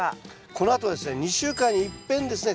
このあとはですね２週間にいっぺんですね